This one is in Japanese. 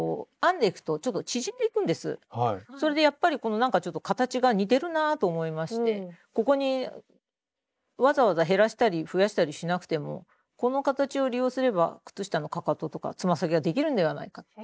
それでやっぱりなんかちょっと形が似てるなぁと思いましてここにわざわざ減らしたり増やしたりしなくてもこの形を利用すれば靴下のかかととかつま先ができるんではないか。